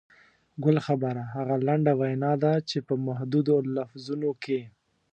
ګل خبره هغه لنډه وینا ده چې په محدودو لفظونو کې.